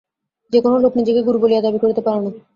যে-কোন লোক নিজেকে গুরু বলিয়া দাবী করিতে পারে না।